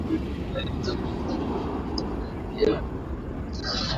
Dalili za ugonjwa kwa mnyama aliyekufa baada ya ukaguzi